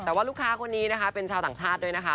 แต่ว่าลูกค้าคนนี้นะคะเป็นชาวต่างชาติด้วยนะคะ